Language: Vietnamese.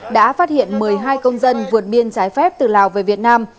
đã phát hiện một mươi hai công dân vượt biên trái phép từ lào về việt nam